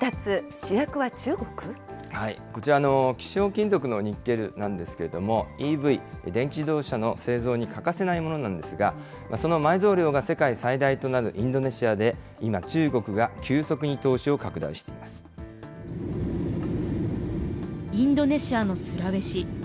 こちら、希少金属のニッケルなんですけれども、ＥＶ・電気自動車の製造に欠かせないものなんですが、その埋蔵量が世界最大となるインドネシアで今、中国が急インドネシアのスラウェシ。